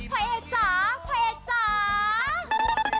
พระเอกชัยพระเอกชัย